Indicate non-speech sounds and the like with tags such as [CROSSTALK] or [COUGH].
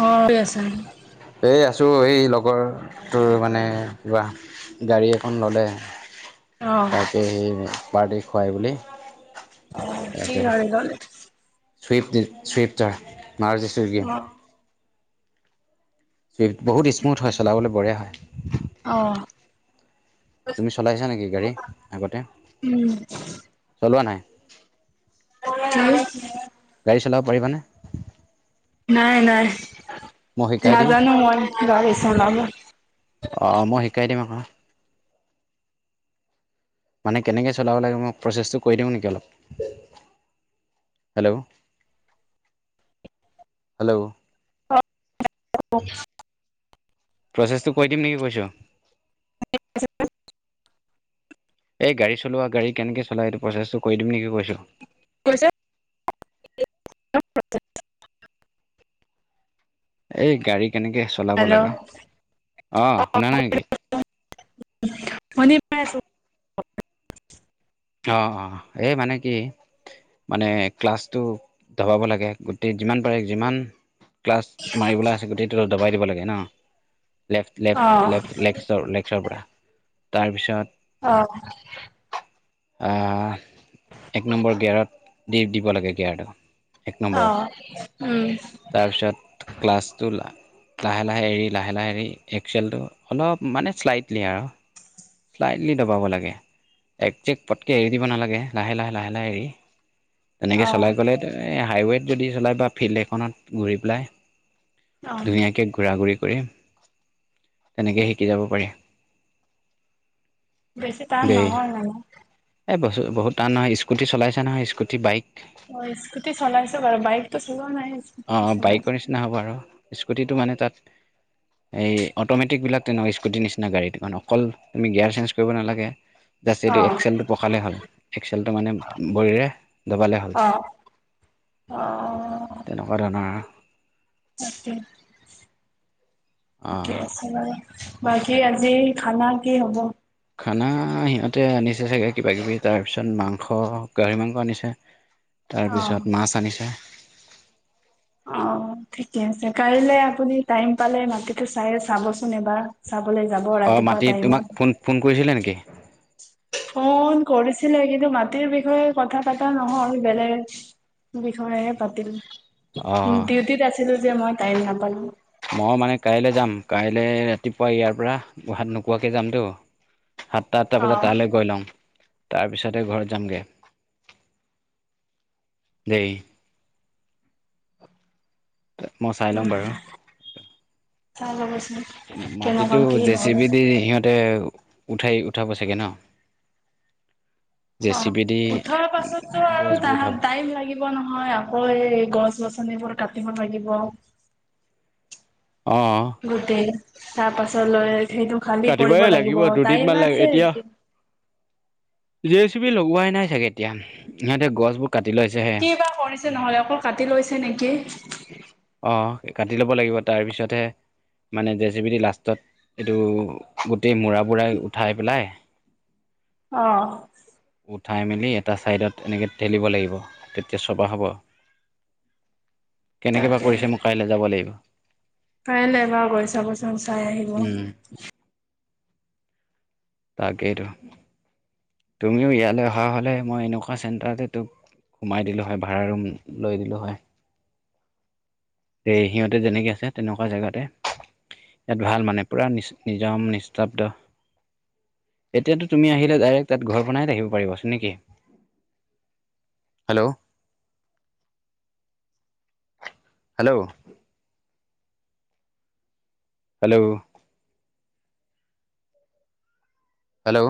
অ স আছ চ এই লগৰটোৰ মানে কিবা গাড়ী এখন ল'লে অ', তাৰি সেই পাৰ্টি খুৱাই বুলি অ কি হয় গলে ফ সুিফটাৰ মহাৰাাজ ডিষ্ট্ৰিক কি [INAUDIBLE] অ', ছুই বহুত স্মুথ হয় চলাবলৈ বঢ়িয়া হয়। অহ। তুমি চলাইছা নেকি গাড়ী আগতে? উম, চলোৱা নাই। উ গাড়ী চলাব পাৰিবানে? নাই নাই, মই শিকাই দিম নাজানো মই গাড়ী চলাব? অ, মই শিকাই দিম আহা। মানে কেনেকে চলাব লাগে মই প্ৰচেছটো কৈ দিম নেকি অলপ? Hello, hello! অ [INAUDIBLE] প্ৰচেছটো কৈ দিম নেকি কৈছো? [UNINTELLIGIBLE] এই গাড়ী চলোৱা গাড়ী কেনেকে চলা এইটো প্ৰচেছটো কৰি দিম নেকি কৈছো? ক [UNINTELLIGIBLE] এই গাড়ী কেনেকে চলাব হেল্ল' লাগে? অ শুনা নাই নেকি? শুনি পায় আছো। অ অ এই মানে কি, মানে ক্লাছটো দবাব লাগে গোটেই যিমান পাৰে যিমান ক্লাছ মাৰিবলৈ আছে গোটেইটো দবাই দিব লাগে ন। লেফট - লেফট অ', - লেফট লেকচৰ -লেকচৰ পৰা, তাৰপিছত অ। আ, এক নম্বৰ গেয়াৰত দি দিব লাগে গেয়াৰটো। এক অ', উম, নম্বৰত, তাৰপিছত ক্লাছটো লা লাহে- লাহে এৰি লাহে- লাহে এৰি এক্সেলটো অলপ মানে শ্লাইটলি আৰু। শ্লাইটলি ডবাব লাগে। একজেক্ট পটকে এৰি দিব নালাগে, লাহে লাহে লাহে লাহে এৰি তেনেকে অ', চলাই গলে এ হাইৱেত যদি চলাই বা ফিল্ড এখনত ঘূৰি পেলাই অ', ধুনীয়াকে ঘুৰা ঘুৰি ফুৰিম, তেনেকেই শিকি যাব পাৰি। বেছি টান দেই নহয় মানে। এই বসু বহুত টান নহয় স্কুটি চলাইছা নহয় স্কুটি বাইক? অ স্কুটি চলাইছে বাৰু বাইকটো চলোৱা নাই অ স্কুটিটো চলাইছো। বাইকৰ নিচিনা হ'ব আৰু স্কুটিটো মানে তাত এই অট'মেটিক বিলাক তেনেকুৱা স্কুটিৰ নিচিনা গাড়ী অকল তুমি গিয়াৰ চেঞ্জ কৰিব নালাগে। জাষ্ট এইটো অ', এক্সেলটো পকালে হ'ল, এক্সেলটো মানে অ', অ। অদানৰ তাকে, অ অকে আছে বাৰু। বাকী আজি খানা কি হব? খানা সিহঁতে আনিছে চাগে কিবা- কিবি তাৰপিছত মাংস গাহৰি মাংস আনিছে। অ', তাৰপিছত মাছ আনিছে। অ ঠিকে আছে, কাইলে আপুনি টাইম পালে মাটিটো চাই চাবচোন এবাৰ। চাবলৈ যাব অঁ ৰাতিপুৱা মাতি তোমাক ফোন ফোন কৰিছিলে নেকি টাইমত। ফোন কৰিছিলে কিন্তু মাটিৰ বিষয়ে কথা পাতা নহয় বেলেগ বিষয়েহে পাতিল, অঁ ডিউটিত আছিলো যে মই টাইম নাপালোঁ। মই মানে কাইলৈ যাম, কাইলে ৰাতিপুৱা ইয়াৰ পৰা ভাত নোখোৱাকে যাম তো সাতটা -আঠটা অ বজাত তালৈ গৈ লম। তাৰপিছতে ঘৰত যামগে, দেই। মই চাই লওঁ উম বাৰু। চাই লব মাটিতো জেচিবি দি সিহঁতে উঠাই উঠাব চাগে ন জে অ চি বি দি উঠাৰ পাছতো আৰু গছবোৰ তাহ উঠাব টাইম লাগিব নহয় আকৌ এই গছ গছ- নিবোৰ কাটিব লাগিব। অঁ গোটেই তাৰ পাছত লৈ সেইটো খালি কৰিব কাটিবই লাগিব দুদিনমান টাইম লাগে আছে। এতিয়া জে চি বি লগোৱাই নাই চাগে এতিয়া সিহঁতে গছবো- কি বা কৰিছে নহলে আকৌ কাটি লৈছে নেকি অ কাটি ল'ব লাগিব তাৰ পিছতহে মানে জে চি পি দি লাষ্টত এইটো গোটেই মূ়ৰা বুঢ়া উঠাই পেলাই অহ উঠাই মেলি এটা ছাইডত এনেকৈ ঠেলিব লাগিব তেতিয়া চপাহ হ'ব। কেনেকৈ বা তাকে কৰিছে মই কাইলে যাব লাগিব। কাইলে বাও গৈ চাবচোন চাই আহিব। উম, তাকেইতো তুমিও ইয়ালৈ অহা হলে মই এনেকোৱা চেণ্টাৰতে তোক সোমাই দিলো হয় ভাড়া ৰুম লৈ দিলো হয়। এই সিহঁতে যেনেকে আছে তেনেকোৱা জেগাতে। ইয়াত ভাল মানে পুৰা নি নিজম নিস্তব্ধ। এতিয়াতো তুমি আহিলে ডাইৰেক্ট তাত ঘৰ বনাই থাকিব পাৰিবাচোন না কি। Hello [UNINTELLIGIBLE] hello hello hello